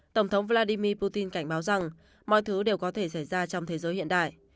tổng thống vladimir putin cảnh báo rằng mọi thứ đều có thể xảy ra trong thế giới hiện đại